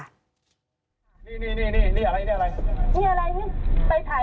นี่นี่อะไร